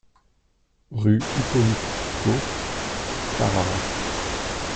Rue Hippolyte Côte, Tarare